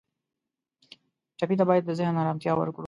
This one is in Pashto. ټپي ته باید د ذهن آرامتیا ورکړو.